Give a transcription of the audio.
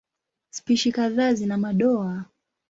Spishi kadhaa zina madoa.